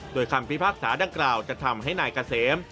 โดยคำพิพากษาดังกล่าวจะทำให้นายเกษม